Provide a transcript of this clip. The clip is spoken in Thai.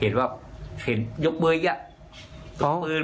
เห็นว่าเห็นยกมืออย่างนี้